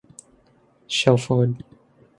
Shelford.